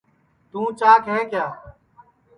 توں چاک ہے کیا